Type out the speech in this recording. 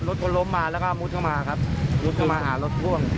รถก็ล้มมาแล้วก็มุดเข้ามาครับมุดเข้ามาหารถพ่วง